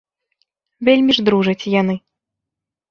Вельмі ж дружаць яны.